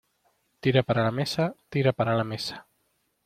tira para la mesa, tira para la mesa.